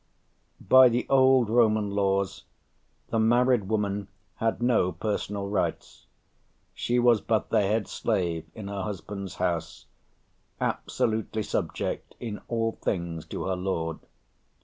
By the old Roman laws, the married woman had no personal rights; she was but the head slave in her husband's house, absolutely subject in all things to her lord.